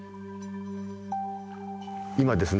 今ですね